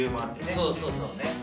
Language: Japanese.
そうそうそう。